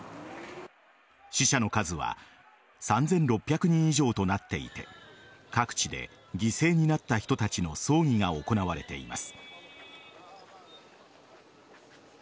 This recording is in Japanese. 死者の数は３６００人以上となっていて各地で犠牲になった人たちの葬儀が行われています。